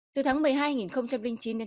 tổng cục an ninh bộ công an